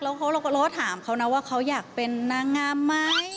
แล้วเราก็ถามเขานะว่าเขาอยากเป็นนางงามไหม